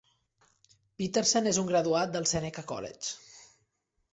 Petersen és un graduat del Seneca College.